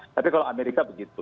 tapi kalau amerika begitu